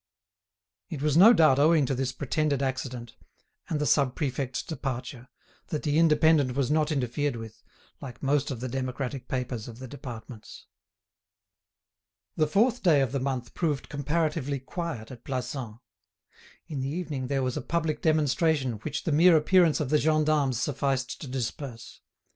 It was no doubt owing to this pretended accident, and the sub prefect's departure, that the "Indépendant" was not interfered with, like most of the democratic papers of the departments. The 4th day of the month proved comparatively quiet at Plassans. In the evening there was a public demonstration which the mere appearance of the gendarmes sufficed to disperse.